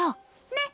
ねっ？